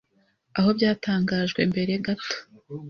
aho byatangajwe mbere gato